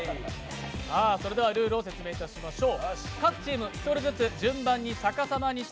それではルールを説明いたしましょう。